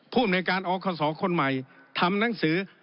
ผู้อำนวยการอคศคนใหม่ทำหนังสือ